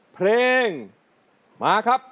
เพลงมาครับ